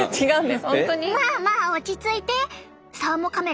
まあまあ落ち着いて！